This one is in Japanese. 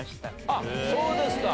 あっそうですか。